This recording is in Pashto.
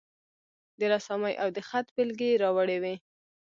د رسامي او د خط بیلګې یې راوړې وې.